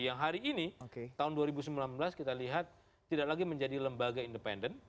yang hari ini tahun dua ribu sembilan belas kita lihat tidak lagi menjadi lembaga independen